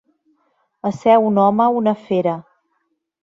Ésser un home una fera.